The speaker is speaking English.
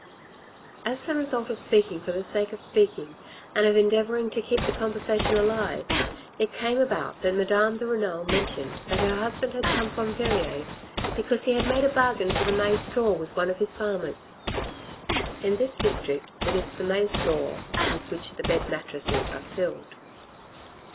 As the result of speaking for the sake of speaking and of endeavouring to keep the conversation alive, it came about that Madame de Renal mentioned that her husband had come from Verrieres because he had made a bargain for the May straw with one of his farmers. (In this district it is the May straw with which the bed mattresses are filled).